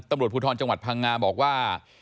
ตำรวจภูทรจังหวัดพังงาบอกว่า